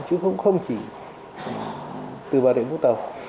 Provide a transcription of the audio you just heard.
chứ cũng không chỉ từ bà rịa vũng tàu